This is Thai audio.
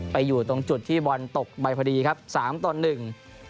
ไปอยู่ตรงจุดที่บอลตกไปพอดีครับ๓ต้น๑